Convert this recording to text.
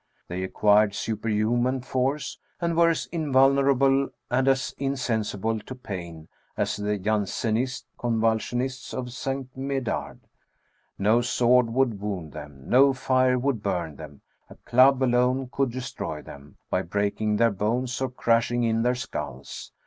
They acquired superhuman force, and were as invulnerable and as insensible to pain as the Jan senist convulsionists of S. Medard. No sword would wound them, no fire would burn them, a club alone could destroy them, by breaking their bones, or crashing in their skulls.